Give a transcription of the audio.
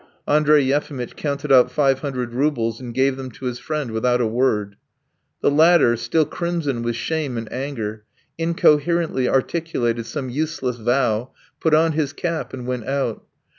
Andrey Yefimitch counted out five hundred roubles and gave them to his friend without a word. The latter, still crimson with shame and anger, incoherently articulated some useless vow, put on his cap, and went out.